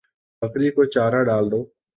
بکری کو چارہ ڈال دو